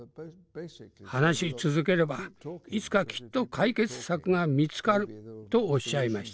話し続ければいつかきっと解決策が見つかるとおっしゃいました。